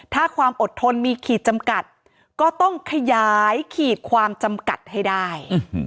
ถ้าความอดทนมีขีดจำกัดก็ต้องขยายขีดความจำกัดให้ได้